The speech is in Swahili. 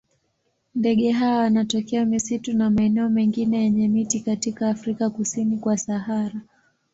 Ndege hawa wanatokea misitu na maeneo mengine yenye miti katika Afrika kusini kwa Sahara.